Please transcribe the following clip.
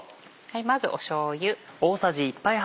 まずしょうゆ。